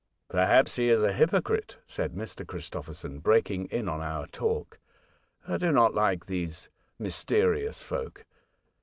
'' Perhaps he is a hypocrite," said Mr. Chris topherson, breaking in on our talk. " I do not like these mysterious folk.